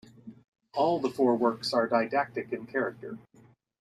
All the four works are didactic in character.